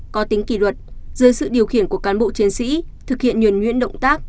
có tính kỳ luật dưới sự điều khiển của cán bộ chiến sĩ thực hiện nhuền nguyễn động tác